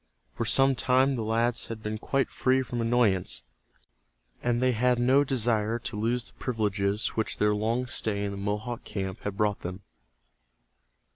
For some time the lads had been quite free from annoyance, and they had no desire to lose the privileges which their long stay in the Mohawk camp had brought them.